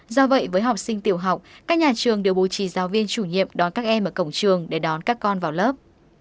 do vậy với học sinh tiểu học các nhà trường đều bố trí giáo viên chủ nhiệm đón các em ở cổng trường để đón các con vào lớp